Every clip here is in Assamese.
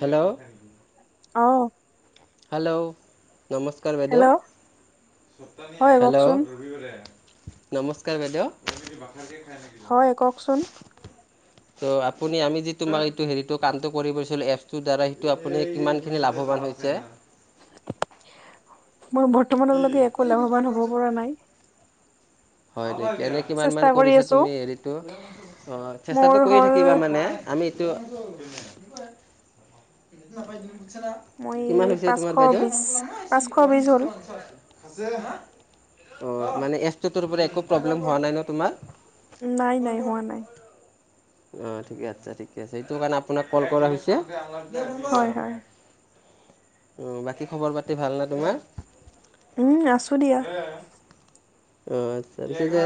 হেল্ল' অ হেল্ল' নমস্ কাৰ বাইদেউ হেল্ল' হয় হেল্ল কওকচোন নমস্কাৰ বাইদেউ হয় কওকচোন [inaudible] ত' আপুনি আমি যি তোমাক এইটো হেৰিটো কামটো কৰি গৈছিলোঁ এপছটোৰ দ্বাৰা সেইটো আপুনি কিমানখিনি লাভৱান হৈছে মই বৰ্তমানৰলৈকে একো লাভৱান হব পৰা নাই হয় তেতিয়া এনে কিমান মান চেষ্টা কৰি কৰিছা আছো তুমি হেৰিটো অঁ মোৰ চেষ্টাটো কৰি হ'ল থাকিবা মানে আমি এটো মই কিমান হৈছে পাঁচশ তোমাৰ বাইদেউ বিশ পাঁচশ বিশ হ'ল অ মানে এপটো টোতো পৰা একো প্ৰব্লেম হোৱা নাই ন তোমাৰ নাই কৰ নাই কৰ হোৱা নাই অ ঠিকে আছে ঠিকে আছে সেইটো কাৰণে আপোনাক কল কৰা হৈছে হয় হয় [unintelligible] উ বাকী খবৰ পাতি ভাল নে তোমাৰ উম আছোঁ দিয়া অ আচ্ছা পিছে যে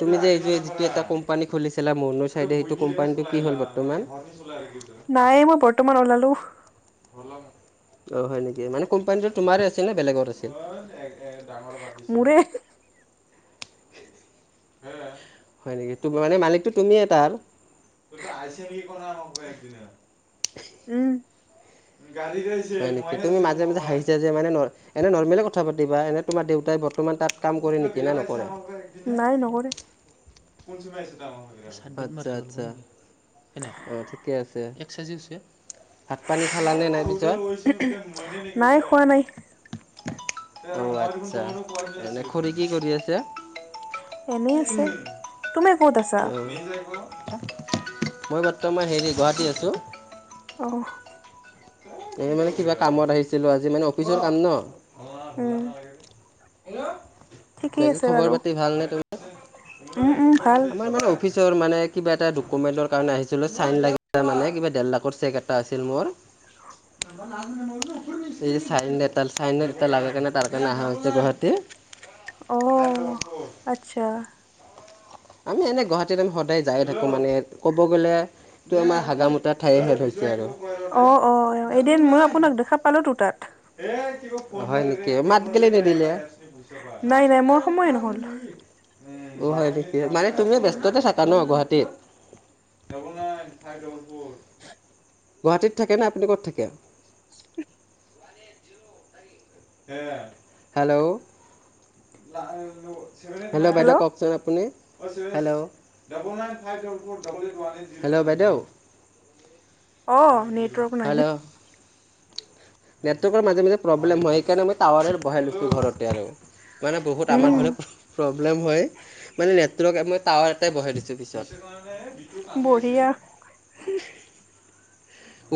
তুমি যে এই যিটো এটা কোম্পানী খুলিছিলা মনো চাইদে সেইটো কোম্পানীটো কি হল বৰ্তমান তেজ ওলাই থাকিল ত নাই মই বৰ্তমান ওলালো অ হয় নেকি মানে কোম্পানীটো তোমাৰ আছিল নে বেলেগৰ আছিল [unintelligible] মোৰে হয় নেকি তু মানে মালিকটো তুমিয়ে তাৰ [unintelligible] উম হয় নেকি তুমি মাজে মাজে হাঁহিছা যে মানে এনো নৰ্মেল কথা পাতিবা এনে তোমাৰ দেউতাই বৰ্তমান তাত কাম কৰে নেকি না নকৰে নাই নকৰে আচ্ছা আচ্ছা কেনেকা ঠিকে আছে এক চাইজে হৈছে [unintelligible] ভাত পানী খালানে নাই পিছত নাই খোৱা নাই অ আচ্ছা এনে খুৰী কি কৰি আছে? এনেই আছে তুমি কত আছা? মই বৰ্তমান হেৰি গুৱাহাটী আছো অ এ মানে কিবা কামত আহিছিলো আজি মানে অফিচৰ কাম ন উম ঠিকেই বাকী আছে খবৰ বাৰু পাতি ভালনে উম উম ভাল তোমাৰ আমাৰ মানে অফিচৰ মানে কিবা এটা ডকুমেণ্টৰ কাৰণে আহিছিলোঁ চাইন লাগিলে মানে কিবা ডেৰ লাখৰ চেক এটা আছিল মোৰ এই যে চাইনাল চাইনএটাল লাগে কাৰনে তাৰ কাৰণে অহা হৈছে গুৱাহাটী [unintelligible] অ', আচ্ছা আমি এনে গুৱাহাটীত আমি সদায় যায়ে থাকো মানে ক'ব গ'লে টো আমাৰ হাগা মোতা ঠাই হেন হৈছে আৰু। অ', অ', অ', এদিন মই আপোনাক দেখা পালো তো তাত। হয় নেকি মাত কলে নিদিলে। নাই নাই মোৰ হাজপোটেল সময়ে নহ'ল ফাজলী [unintelligible] অ', হয় নেকি মানে তুমি ব্যস্ততা থাকা ন গুৱাহাটীত। গুৱাহাটীত থাকে ন আপুনি ক'ত থাকে? [inaudible] হেল্ল'। হেল্ল' বাইদেউ কওকচোন আপুনি হেল্ল'। হেল্ল' বাইদেউ অ', নেটৱৰ্ক নাই। হেল্ল' নেটৱৰ্কৰ মাজে, মাজে প্ৰব্লেম হয় সেইকাৰণে মই টাৱাৰৰে বহাই লৈছো ঘৰতে আৰু। মানে বহুত আমাৰ উম ফালে প্ৰব্লেম হয় মানে নেটৱৰ্ক মই টাৱাৰ এটাই বহাই দিছোঁ পিছত। বঢ়িয়া।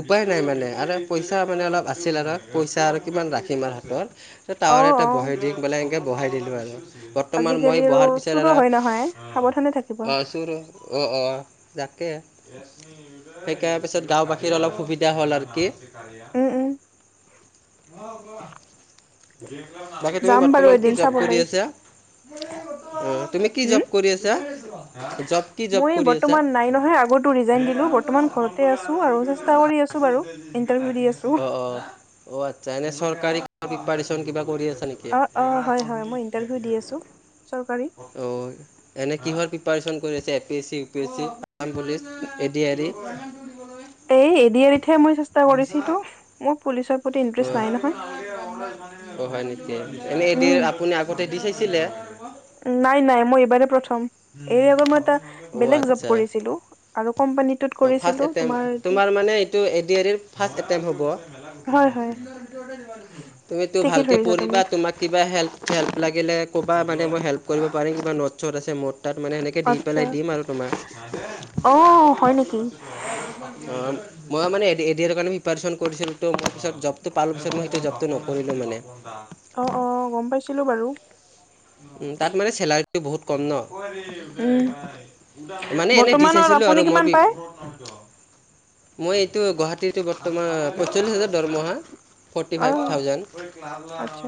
উপায় নাই মানে আৰু পইচা মানে অলপ আছিল আৰুক পইচা আৰু কিমান ৰাখিম আৰু হাতত অ টাৱাৰে এটা অ বহে দি বানলে বহাই দিলো আৰু বৰ্তমান মই আজিকালি আৰু বহাৰ পিছত চুৰো আৰু হয় নহয় সাৱধানে থাকিবা অ', চোৰ অ', অ', তাকেই সেইকাৰ পিছত গাওঁ বাস বাখীৰ অলপ সুবিধা হ'ল আৰু কি উম, উম তাকে তুমি যাম বাৰু বৰ্তমান কি এদিন জব কৰি চাবলৈ আছা? অ', তুমি কি উম জব কৰি আছা জব কি জব মই কৰি আছা বৰ্তমান নাই নহয় আগৰটো ৰিজাইন দিলো বৰ্তমান ঘৰতে আছোঁ আৰু চেষ্টা কৰি আছো বাৰু। ইণ্টাৰভিউ দি আছো অ', অ', অ', আচ্ছা এনে চৰকাৰী কিবা প্ৰিপাৰেচন কিবা কৰি আছা নেকি? অ', অ', হয়, হয় মই ইণ্টাৰভিউ দি আছোঁ চৰকাৰী অ'। এনে কিহৰ প্ৰিপাৰেচন কৰি আছে এ পি এছ চি, উ পি এছ চি, আ পুলিচ এডি আ ৰি। ফুৰিবলৈ। এই এডি আৰিতহে মই চেষ্টা কৰিছিলোঁ মোৰ পুলিচৰ প্ৰতি ইণ্টাৰেষ্ট অ', নাই নহয়। অ', হয় নেকি এনে এডি উম আৰি আপুনি আগতে দি চাইছিলে। নাই, নাই মই এইবাৰ প্ৰথম। এই আগত মই এটা বেলেগ জব আচ্ছা। অ', কৰিছিলোঁ আৰু কোম্পানীটোত ফাৰ্ষ্ট কৰিছিলো এটেম্প, তোমাৰ এ তোমাৰ মানে এইটো এ ডি এৰিৰ ফাৰ্ষ্ট এটেমট হ'ব। হয় হয় তুমিতো ঠিকেই ভালকে ধৰিছা পঢ়িবা তুমি তোমাক কিবা হেল্প হেল্প লাগিলে কবা মানে মই হেল্প কৰিব পাৰিম কিবা নোট শ্ব'ট আছে মোৰ। তাত মানে সেনেকৈ দি আচ্ছা পেলাই দিম আৰু তোমাক। অ হয় নেকি অ', মই মানে এ কাৰণে প্ৰিপাৰেচন কৰিছিলোঁতো। পিছত জবতটো পালো পিছত মই জবটো নকৰিলো মানে। অ', অ', গম পাইছিলোঁ বাৰু। উ তাত মানে চেলাৰীটো বহুত কম ন। উম মানে এনে দি বৰ্তমানত চাইছিলোঁ আপুনি আৰু মই কিমান বি পায় মই এইটো গুৱাহাটীটো বৰ্তমান পয়ঞ্চল্লিছ হাজাৰ দৰমহা। ফৰ্টি অ ফাইভ থাউজেন। আচ্ছা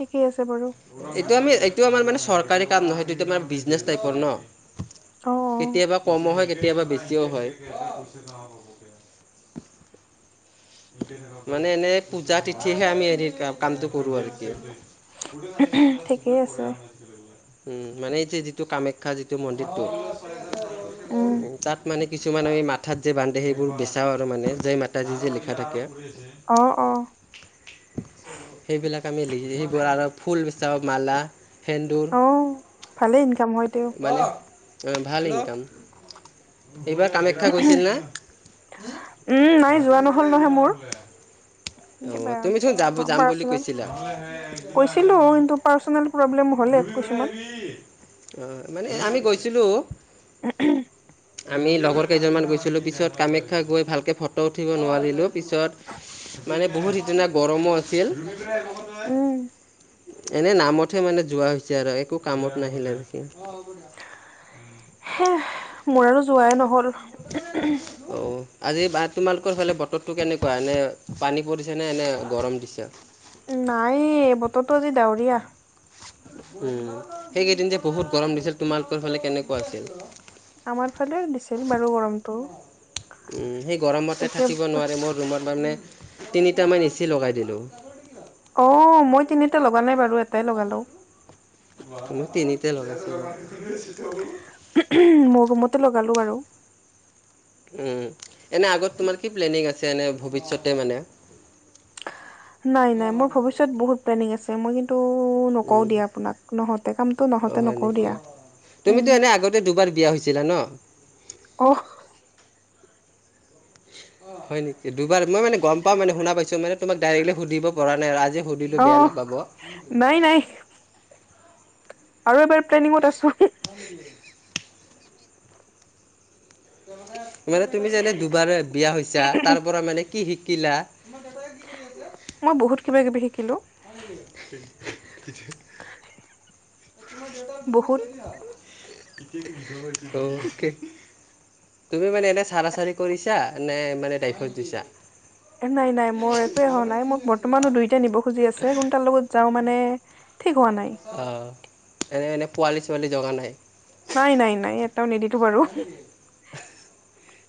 ঠিকেই আছে বাৰু। এইটো আমি এইটো আমাৰ মানে চৰকাৰী কাম নহয় এইটোত আমাৰ বিজনেচ টাইপৰ ন অ অ কেতিয়াবা কমো হয় কেতিয়াবা বেছিও হয় মানে এনে পূজা তিথিহে আমি হেৰি কামটো কৰো আৰু কি ঠিকেই আছে [unintelligible] উম মানে এই যে যিটো কামাখ্যা যিটো মন্দিৰটো উম তাত মানে কিছুমান আমি মাথাত যে বান্ধে সেইবোৰ বেচাওঁ আৰু মানে জয় মাতাজী যে লিখা থাকে অ অ সেইবিলাক আমি লিখি সেইবোৰ আৰু ফুল বেচাও মালা সেন্দুৰ অ ভালে ইনকাম হয় তেওঁ মানে অ ভাল ইনকাম এইবাৰ কামাখ খ্যা গৈছিল না উম নাই যোৱা নহল নহয় মোৰ অ কিবা তুমিচোন যাব যাম বুলি পাৰ্চনেল কৈছিলা কৈছিলো কিন্তু পাৰ্চনেল প্ৰব্লেম হ'লে এক কিছুমান কি অ মানে আমি গৈছিলো [unintelligible] আমি লগৰ কেইজনমান গৈছিলোঁ পিছত কামাখ্যা গৈ ভালকে ফটো উঠিব নোৱাৰিলোঁ পিছত মানে বহুত সিদিনা গৰমো আছিল উম এনে নামতহে মানে যোৱা হৈছে আৰু একো কামত নাহিলে বিশেষ। [unintelligible] হে মোৰ আৰু যোৱাই নহ'ল। নাই [unintelligible] অ' আজি বা তোমালোকৰ ফালে বতৰটো কেনেকুৱা এনে পানী পৰিছে নে এনে গৰম দিছে। নাইয়ে বতৰটো আজি ডাৱৰীয়া। উম, সেইকেইদিন যে বহুত গৰম দিছিল তোমালোকৰ ফালে কেনেকুৱা আছিল। আমাৰ ফালে দিছিল বাৰু গৰম। উম, সেই গৰমতে থাকিব একেবাৰে নোৱাৰে মোৰ ৰুমত মানে তিনিটামান এ চি লগাই দিলোঁ। অ' মই তিনিটা লগা নাই বাৰু এট মই তিনিতে লগাইছো মোৰ ৰুমতো লগালো বাৰু। উম এনে আগত তোমাৰ কি প্লেনিং আছে এনে ভৱিষ্যতে মানে নাই নাই মোৰ ভৱিষ্যত বহুত প্লেনিং আছে। এ মই কিন্তু নকওঁ উম, দিয়া আপোনাক নহওতে কামতটো অ' নহওতে হয় নকওঁ নেকি? দিয়া। উম তুমিতো এনে আগতে দুবাৰ বিয়া হৈছিলা ন। অহ হয় নিকি দুবাৰ মই মানে গম পাও মানে শুনা পাইছো মানে তোমাক ডাইৰেক্টলি সুধিব পৰা নাই আৰু আজি সুধিলোঁ বেয়া অহ নাপাব। নাই নাই। আৰু এবাৰ প্লেনিঙত আছো। [unintelligible] মানে তুমি যে এনে দুবাৰে বিয়া হৈছা তাৰ পৰা মানে কি শিকিলা মই বহুত কিবা কিবি শিকিলো। [unintelligible] বহুত অকে তুমি মানে এনে চাৰা চাৰি কৰিছা নে মানে ডাইভোচ দিছা। নাই নাই মোৰ একোৱে অহা নাই মোক বৰ্তমানো দুইটা নিব খুজি আছে কোন তাৰ লগত যাওঁ মানে ঠিক হোৱা নাই। অ 'এনে এনেই পোৱালি ছোৱালি জগা নাই। নাই নাই নাই এটাও নিদিলো বাৰু।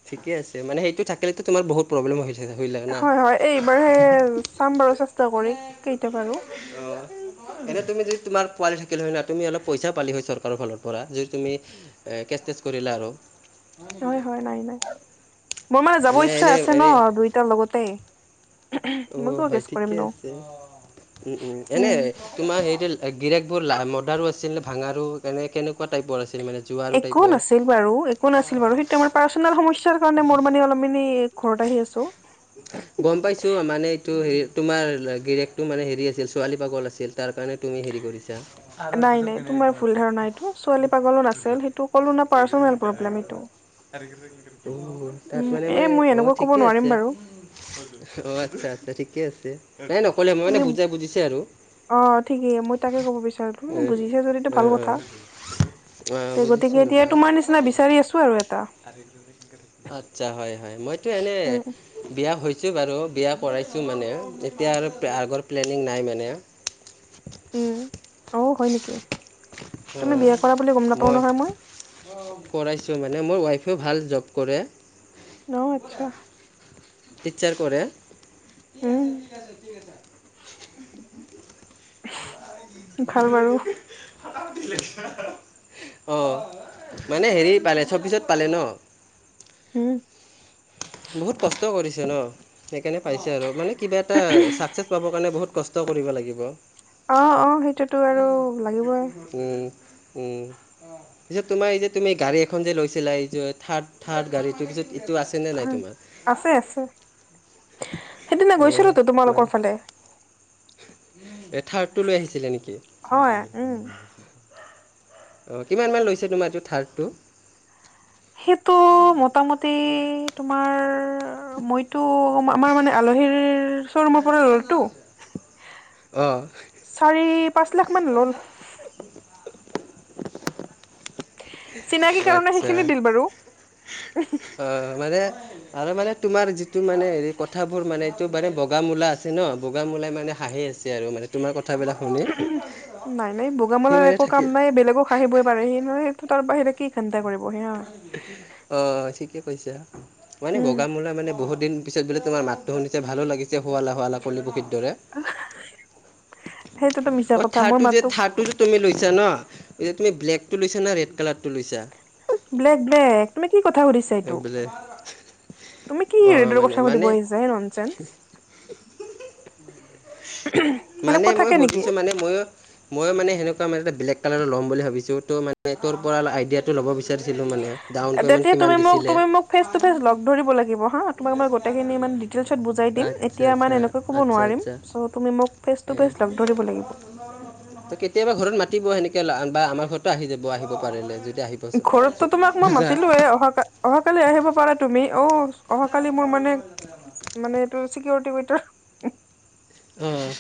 ঠিকে আছে মানে সেইটো থাকিলেতো তোমাৰ বহুত প্ৰব্লেম হৈ হৈছিল লাগ না হয় হয় এইবাৰহে চাম বাৰু চেষ্টা কৰি কেইটা বাৰু অঁ এনে তুমি যদি তোমাৰ পোৱালি থাকিলে হয় না তুমি অলপ পইচা পালি হয় চৰকাৰৰ ফালৰ পৰা যদি তুমি এ কেচ তেচ কৰিলো আৰু হয়, হয়, নাই নাই মোৰ মানে যাব এনে ইচ্ছা এনে আছে ন এনে দুইটাৰ লগতে। মই অ' কিয় হয় গেছ কৰিম ঠিকে নো আছে উম উম এনে তোমাৰ হেৰি গিৰেক বোৰ লা মডাৰো আছিলে ভাঙাৰো কেনেে কেনেকুৱা টাইপৰ আছিল মানে। জোৱাৰো একো টাইপৰ নাছিল। বাৰু একো নাছিল বাৰু সেই ত আমাৰ পাৰ্চনেল সমস্যাৰ কাৰণে মোৰ মানে অলপ মানি ঘৰত আহি আছো। গম পাইছোঁ মানে এইটো হেৰি তোমাৰ গিৰেকটো মানে হেৰি আছিল ছোৱালী পাগল আছিল। তাৰ কাৰণে তুমি হেৰি কৰিছা। নাই নাই তোমাৰ ভুল ধাৰণা এইটো ছোৱালী পাগলো নাছিল সেইটো কলো না পাৰ্চনেল প্ৰব্লেম এইটো। তাত উম মানে এ মই অ' এনেকুৱা ক'ব ঠিকে নোৱাৰিম আছে। বাৰু অ' আচ্ছা আচ্ছা ঠিকে আছে নাই নকলে মই মানে তুমি বুজাই বুজিছে আৰু। অ' ঠিকেই মই তাকে ক'ব বিচাৰো বুজিছে যদিটো ভাল কথা। তে বুজিছোঁ গতিকে আৰু এতিয়া বা তোমাৰ নিচিনা বিচাৰি আছো আৰু এটা। আচ্ছা হয় হয় মইতো এনে উম বিয়া হৈছোঁ বাৰু বিয়া কৰাইছোঁ মানে এতিয়া আৰু আগৰ প্লেনিং নাই মানে উম, অ' হয় নেকি তুমি বিয়া কৰা বুলি গম নাপাও নহয় মই। কৰাইছো মানে মোৰ ৱাইফেও ভাল জব কৰে। অহ আছা। টিচাৰ কৰে। উম', [unintelligible] অ', ভাল বাৰু মানে হেৰি পালে সৌবিছত পালে ন হাম বহুত কষ্ট কৰিছে ন সেইকাৰণে পাইছে আৰু মানে কিবা এটা চাকচেছ পাবৰ কাৰণে বহুত কষ্ট কৰিব লাগিব। অ', অ', সেইটোতো আৰু লাগিবই। উম উম, পিছত তোমাৰ এই যে তুমি গাড়ী এখন যে লৈছিলা এই যে থাৰ্ড থাৰ্ড গাড়ীটো পিছতটো আছে ন আছে। আছে। সেইদিনা গৈচিলো তো তোমালোকৰ ফালে এ থাৰ্ডটো লৈ আহিছিলে নেকি অ', হয় উম কিমান মান লৈছে তোমাৰ এইটো থাৰ্ডটো সেইটো মোটামটি গেই তোমাৰ মইতো আমাৰ মানে আলহীৰ শ্ব'ৰুমৰ পৰা ললো আহ চাৰি পাঁচ লাখ মান ল'ল চিনাকি কাৰণে আচ্ছা সেইখিনি দিল বাৰু মানে', আৰু মানে তোমাৰ যিটো মানে হে কথাবোৰ মানে এইটো বানে বগা মূলা আছে ন বগা মূলাই মানে হাঁহি আছে। আছে আৰু মানে তোমাৰ কথা বিলাক শুনি নাই নাই বগা সি মালাৰ মানে একো কাম থাকি নাই বেলেগো আহিবই পাৰে সেই নহয় তাৰ বাহিৰে কি ঘণ্টা কৰিব। সি হয়। অ ঠিকে কৈছা মানে উম বগা মলা মানে বহুত দিন পিছে বোলে তোমাৰ মাতটো শুনিছে ভালো লাগিছে, শুৱালা শুৱালা কুলি পখিৰ দৰে। সেইটোতো মিছা অ কথা মোৰ থাৰটো যে মাতটো থাৰটো যে তুমি লৈছা ন তুমি ব্লেকটো লৈছা না ৰেড কালাৰটো লৈছা? ব্লেক-ব্লেক, তুমি কি কথা সুধিছা এইটো? ব্লেক তুমি কি অ এইবোৰ মানে কথা মানে পাতিব আহিছা হে নন চেন্স। মানে সেনেকুৱা মই থাকে নেকি? সুধিছোঁ মানে মইও মই মানে সেনেকুৱা মানে এটা ব্লেক কালাৰ ল'ম বুলি ভাবিছো ত' মানে তোৰ পৰা আইডিয়াটো লব বিচাৰিছোঁ মানে। ডাউন পে'মেণ্ট তেতিয়া কিমান তুমি মোক দিছিলে তুমি মোক ফেচ টু ফেচ লগ ধৰিব লাগিব। হাঁ তোমাক মই গোটেইখিনি ইমান ডিটেইলছত বুজাই দিম আচ্ছা এতিয়া ইমান আচ্ছা এনেকৈ ক'ব আচ্ছা নোৱাৰিম আচ্ছা চ' তুমি মোক ফেচ টো ফেচ লগ ধৰিব লাগিব। ত, কেতিয়াবা ঘৰত মাতিব সেনেকে বা আমাৰ ঘৰতো আহি যাব আহিব পাৰিলে যদি আহিব ঘৰতো তোমাক মই খোজা মাতিলোৱে অহা অহাকালি আহিব পাৰা তুমি অ অহাকালি মোৰ মানে মানে এইটো চিকিউৰিটি ভিতৰত উম।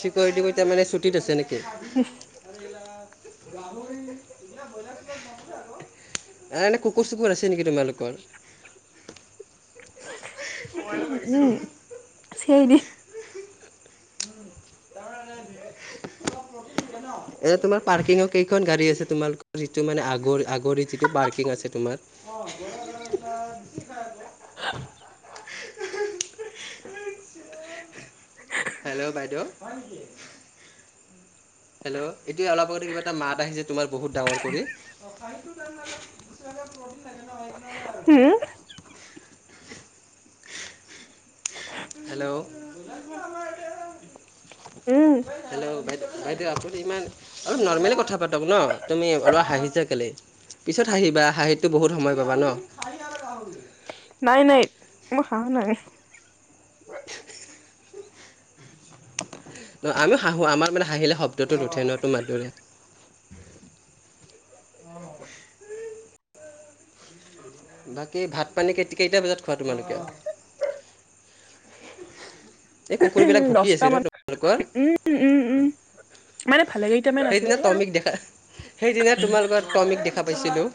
চিকৰিটি কেইটা মানে ছুটিত আছে নেকি? [unintelligible] [unintelligible] এনে কুকুৰ চুকুৰ আছে নেকি তোমালোকৰ? উম চেৰি এ তোমাৰ পাৰ্কিঙৰ কেইখন গাড়ী আছে তোমালোকৰ যিটো মানে আগ আগৰি যিটো পাৰ্কিং আছে তোমাৰ? [unintelligible] [unintelligible] হেল্ল', বাইদেউ। হেল্ল', এতিয়া অলপ আগতে কিবা এটা মাত আহিছে, তোমাৰ বহুত ডাঙৰ কৰি। [unintelligible] উম। হেল্ল'। [unintelligible] উম। হেল্ল' বাইদউ, বাইদেউ আপুনি ইমান অলপ নৰ্মেলি কথা পাতক ন, তুমি অলপ হাঁহিছা কেলে? পিছত হাঁহিবা, হাঁহিতটো বহুত সময় পাবা ন। নাই নাই, মই হাহা নাই। আমি হাঁহো, আমাৰ মানে হাহিলে শব্দটো নুঠে ন তোমাৰ দৰে। [inaudible] বাকী ভাত পানী-কেইটা বজাত খোৱা তোমালোকে? এই কুকুৰ বিলাক ভুকি দহটা আছে, ন মান তোমালোকৰ? উম উম উম মানে ভালে কেইটামান আছে সেইদিনা যে আৰু তটমিক দেখা-সেইদিনা তোমাৰ লগত টমিক দেখা পাইছিলোঁ।